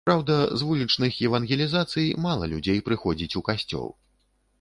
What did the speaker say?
Праўда, з вулічных евангелізацый мала людзей прыходзіць у касцёл.